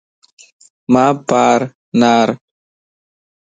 مان پار نار